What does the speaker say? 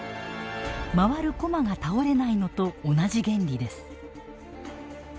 回るこまが倒れないのと同じ原理です。